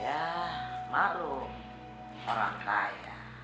yah malu orang kaya